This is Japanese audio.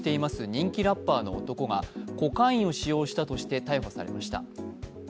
人気ラッパーの男がコカインを使用したとして逮捕されました。